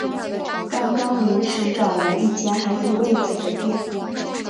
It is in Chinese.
刚刚临时找了一间还有位子的店